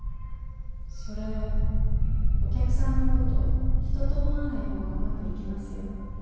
それお客さんのこと人と思わない方がうまくいきますよ。